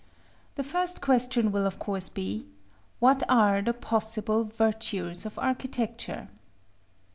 The first question will of course be: What are the possible Virtues of architecture?